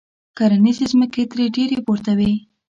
کرنیزې ځمکې ترې ډېرې پورته وې.